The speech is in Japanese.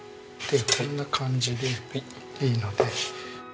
こんな感じでいいので。